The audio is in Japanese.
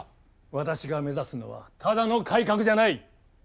私が目指すのはただの改革じゃない。